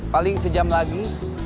paling sejam lagi